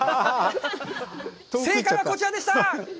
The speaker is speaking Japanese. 正解はこちらでした。